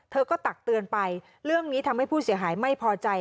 เธอก็ตักเตือนไปเรื่องนี้ทำให้ผู้เสียหายไม่พอใจ